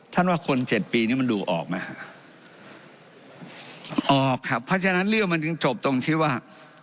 ว่าคนเจ็ดปีนี้มันดูออกไหมออกครับเพราะฉะนั้นเรื่องมันจึงจบตรงที่ว่า